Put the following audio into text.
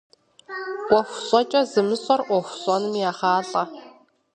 Iуэху щIэкIэ зымыщIэр Iуэху щIэным егъалIэ.